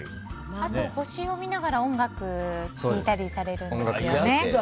あと星を見ながら音楽を聴いたりされるんですよね。